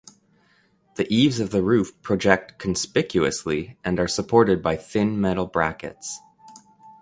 The eaves of the roof project conspicuously and are supported by thin metal brackets.